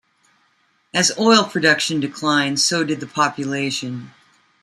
As oil production declined, so did the population.